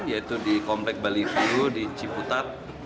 yaitu di komplek bali viru di ciputat